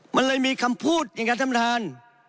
มันเลยมีคำพูดอย่างนั้นท่านประธาน